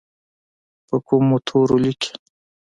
په کومو تورو لیکي؟